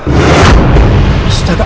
sudah tak andin tenggelam